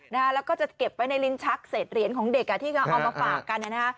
แล้วก็จะเก็บไว้ในลิ้นชักเศษเหรียญของเด็กที่ออมมาฝากกัน